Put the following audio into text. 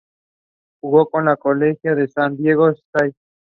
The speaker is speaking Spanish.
Jugo como colegial en San Diego State.